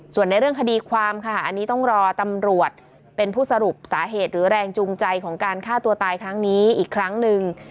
ส่วนในเรื่องคดีความค่ะอันนี้ต้องรอตำรวจเป็นผู้สรุปสาเหตุหรือแรงจูงใจของการฆ่าตัวตายครั้งนี้อีกครั้งหนึ่ง